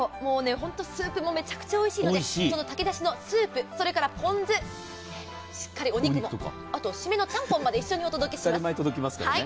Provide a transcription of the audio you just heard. スープもめちゃくちゃおいしいので、そのたき出しのスープ、それからポン酢、あとシメのちゃんぽんまで一緒にお届けします。